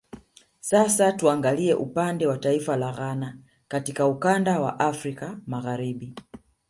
Sasa tuangalie upande wa taifa la Ghana katika ukanda wa Afrika Magharibi